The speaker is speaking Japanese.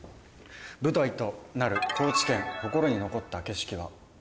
「舞台となる高知県心に残った景色は？」。